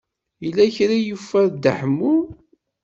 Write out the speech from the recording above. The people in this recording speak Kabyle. Yella kra i yufa Dda Ḥemmu.